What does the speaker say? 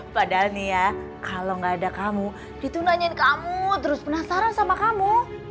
padahal nih ya kalau gak ada kamu itu nanyain kamu terus penasaran sama kamu